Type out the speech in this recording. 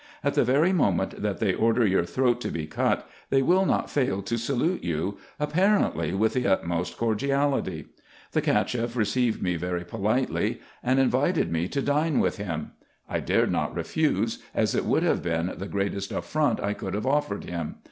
At the very moment that they order your throat to be cut, they will not fail to salute you, apparently, with the utmost cordiality. The Cacheff received me very politely, and invited me IN EGYPT, NUBIA, &c. 49 to dine with him. I dared not refuse, as it would have been the greatest affront I could have offered him.